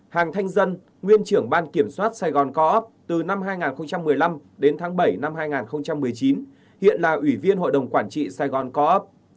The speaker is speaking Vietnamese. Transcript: hàng thanh dân nguyên trưởng ban kiểm soát saigon co op từ năm hai nghìn một mươi năm đến tháng bảy năm hai nghìn một mươi chín hiện là ủy viên hội đồng quản trị saigon co op